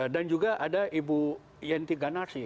dan juga ada ibu yenty ganasi